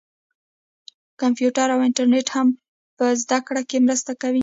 کمپیوټر او انټرنیټ هم په زده کړه کې مرسته کوي.